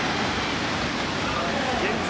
現在